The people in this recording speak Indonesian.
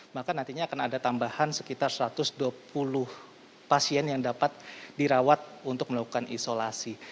maka nantinya akan ada tambahan sekitar satu ratus dua puluh pasien yang dapat dirawat untuk melakukan isolasi